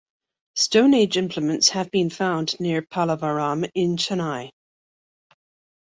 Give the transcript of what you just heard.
Stone age implements have been found near Pallavaram in Chennai.